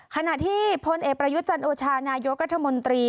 ขณะที่พลเอกประยุทธ์จันโอชานายกรัฐมนตรี